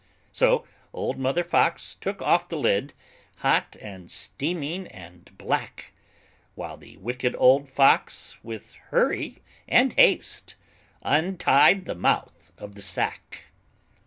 So Old Mother Fox took off the lid, Hot and steaming and black, While the Wicked Old Fox, with hurry and haste, Untied the mouth of the sack.